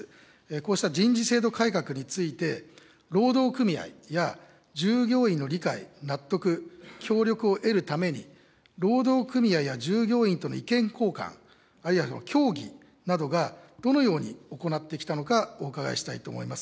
こうした人事制度改革について、労働組合や従業員の理解、納得、協力を得るために、労働組合や従業員との意見交換、あるいは協議などがどのように行ってきたのかお伺いしたいと思います。